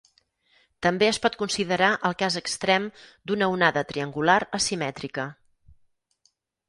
També es pot considerar el cas extrem d'una onada triangular asimètrica.